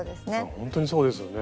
ほんとにそうですよね。